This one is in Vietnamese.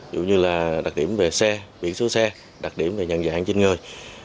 dù như là đặc điểm về xe biển số xe đặc điểm về nhận dạng trên người